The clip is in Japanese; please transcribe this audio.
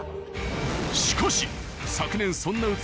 しかし昨年そんな。